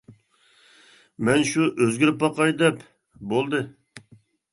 -مەن شۇ ئۆزگىرىپ باقاي دەپ. -بولدى.